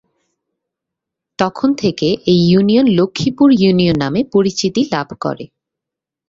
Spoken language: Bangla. তখন থেকে এই ইউনিয়ন লক্ষ্মীপুর ইউনিয়ন নামে পরিচিত লাভ করে।